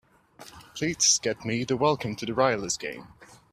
Please get me the Welcome to the Rileys game.